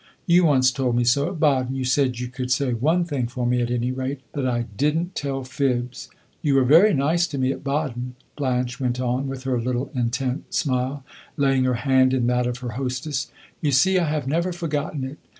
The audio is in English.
You once told me so at Baden; you said you could say one thing for me, at any rate that I did n't tell fibs. You were very nice to me at Baden," Blanche went on, with her little intent smile, laying her hand in that of her hostess. "You see, I have never forgotten it.